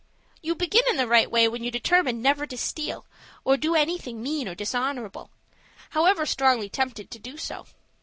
"You began in the right way when you determined never to steal, or do anything mean or dishonorable, however strongly tempted to do so.